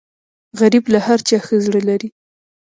غریب له هر چا ښه زړه لري